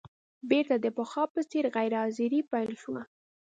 بېرته د پخوا په څېر غیر حاضري پیل شوه.